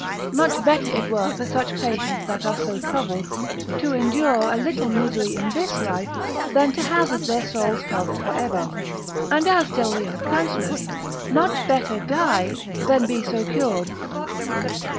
Much better it were for such patients that are so troubled, to endure a little misery in this life, than to hazard their souls' health for ever, and as Delrio counselleth, much better die, than be so cured.